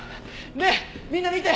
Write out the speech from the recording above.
ねえみんな見て！